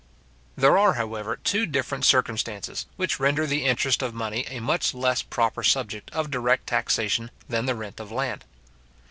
There are, however, two different circumstances, which render the interest of money a much less proper subject of direct taxation than the rent of land.